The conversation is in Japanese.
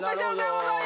はい。